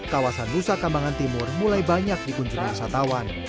kawasan nusa kambangan timur mulai banyak dikunjungi wisatawan